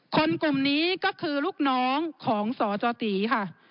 กลุ่มนี้ก็คือลูกน้องของสจตีค่ะ